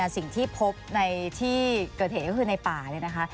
สิ่งที่พบในที่เกิดเหตุก็คือในป่าเนี่ยนะคะ